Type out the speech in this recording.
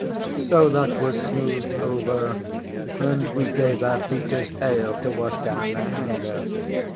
So that was smoothed over, and we gave our beaters ale to wash down their anger.